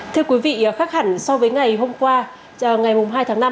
thưa quý vị khác hẳn so với ngày hôm qua ngày hai tháng năm